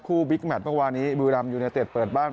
คู่บิ๊กแมตต์เมื่อวานี้บริวดำยูเนตเต็ดเปิดบ้าน